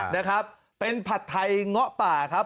นะครับเป็นผัดไทยเงาะป่าครับ